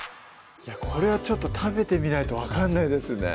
これはちょっと食べてみないと分かんないですね